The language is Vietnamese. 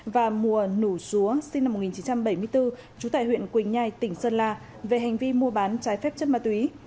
và mùa nủ xúa sinh năm một nghìn chín trăm bảy mươi bốn trú tại huyện quỳnh nhai tỉnh sơn la về hành vi mua bán trái phép chất ma túy